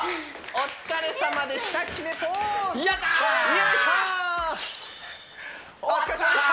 お疲れさまでした！